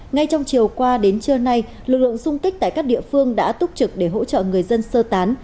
ngay trong chiều qua đến trưa nay lực lượng xung kích tại các địa phương đã túc trực để hỗ trợ người dân sơ tán